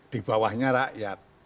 di bawahnya rakyat